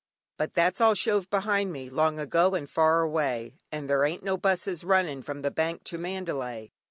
"But that's all shove be'ind me long ago and far away An' there ain't no busses runnin' from the Bank to Mandalay."